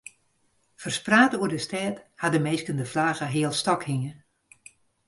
Ferspraat oer de stêd hawwe minsken de flagge healstôk hinge.